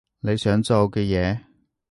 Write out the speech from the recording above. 你想做嘅嘢？